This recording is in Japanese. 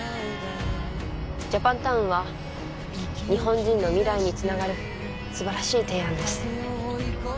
ジャパンタウンは日本人の未来につながる素晴らしい提案です